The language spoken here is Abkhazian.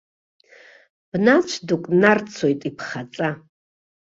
Бнацә дук нарцоит иԥхаҵа.